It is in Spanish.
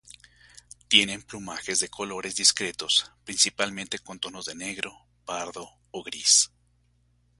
Tienen plumajes de colores discretos principalmente con tonos de negro, pardo o gris.